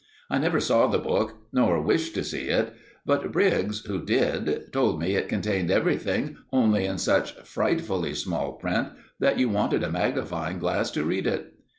I never saw the book, nor wished to see it, but Briggs, who did, told me it contained everything, only in such frightfully small print that you wanted a magnifying glass to read it.